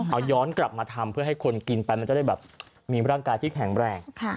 เอาย้อนกลับมาทำเพื่อให้คนกินไปมันจะได้แบบมีร่างกายที่แข็งแรง